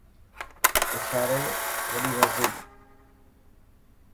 ايشياري وڏي مسجد.